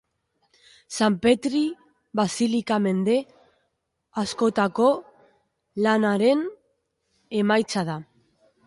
San Petri basilika mende askotako lanaren emaitza da.